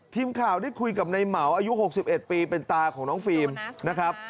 ทีมข่าวได้คุยกับในเหมาอายุ๖๑ปีเป็นตาของน้องฟิล์มนะครับ